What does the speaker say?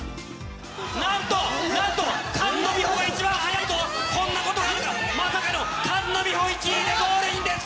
なんと、なんと、菅野美穂が一番速いぞ、こんなことがあるか、まさかの菅野美穂、１位でゴールインです。